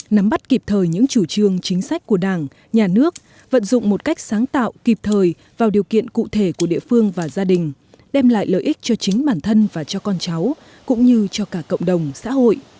nắm bắt kịp thời những chủ trương chính sách của đảng nhà nước vận dụng một cách sáng tạo kịp thời vào điều kiện cụ thể của địa phương và gia đình đem lại lợi ích cho chính bản thân và cho con cháu cũng như cho cả cộng đồng xã hội